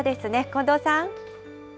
近藤さん。